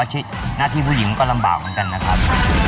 หน้าที่ผู้หญิงก็ลำบากเหมือนกันนะครับ